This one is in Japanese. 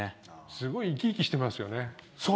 すごい生き生きしてますよね。